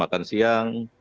pada jam jam ini